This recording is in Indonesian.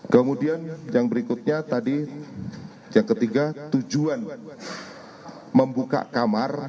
kemudian yang berikutnya tadi yang ketiga tujuan membuka kamar